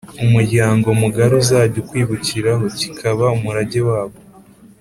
umuryango mugari uzajya ukwibukiraho, kikaba umurage wabo